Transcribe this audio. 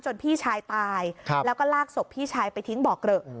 พี่ชายตายแล้วก็ลากศพพี่ชายไปทิ้งบ่อเกลอะ